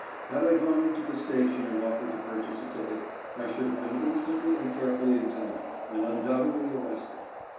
Had I gone into the station and offered to purchase a ticket, I should have been instantly and carefully examined, and undoubtedly arrested.